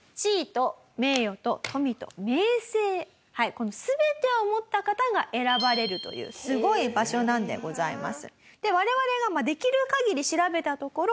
この全てを持った方が選ばれるというすごい場所なんでございます。